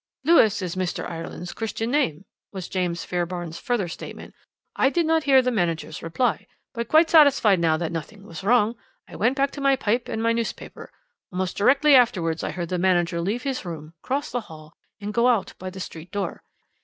"'Lewis is Mr. Ireland's Christian name,' was James Fairbairn's further statement. 'I did not hear the manager's reply, but quite satisfied now that nothing was wrong, I went back to my pipe and my newspaper. Almost directly afterwards I heard the manager leave his room, cross the hall and go out by the street door.